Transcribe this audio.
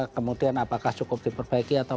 kemudian apakah cukup diperbaiki atau